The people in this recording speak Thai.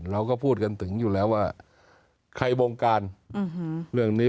เราก็พูดกันถึงอยู่แล้วว่าใครวงการเรื่องนี้